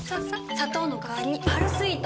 砂糖のかわりに「パルスイート」！